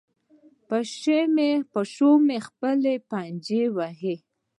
پیشو مې خپلې پنجې وهي.